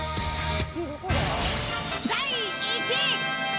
第１位。